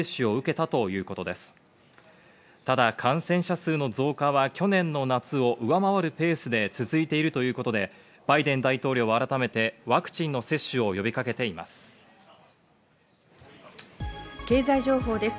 ただ感染者数の増加は去年の夏を上回るペースで続いているということでバイデン大統領は改めてワクチンの接種を呼びかけています。